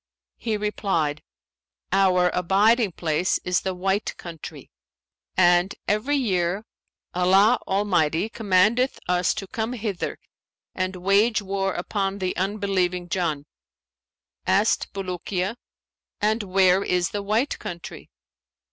He replied, 'Our abiding place is the White Country; and, every year, Allah Almighty commandeth us to come hither and wage war upon the unbelieving Jann.' Asked Bulukiya, 'And where is the White Country?'